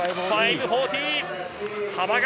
５４０。